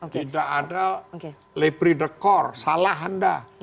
tidak ada lebride korps salah anda